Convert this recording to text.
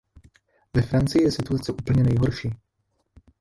Ve Francii je situace úplně nejhorší.